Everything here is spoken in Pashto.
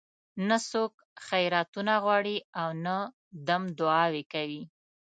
نه څوک خیراتونه غواړي او نه دم دعاوې کوي.